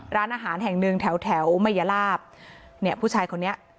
ร้านอาหารแห่งหนึ่งแถวแถวมัยลาบเนี่ยผู้ชายคนนี้